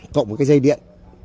cộng với cái dây điện